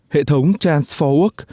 hệ thống trans bốn work